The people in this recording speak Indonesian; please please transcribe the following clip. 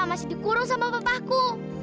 masih dikurung sama bapakku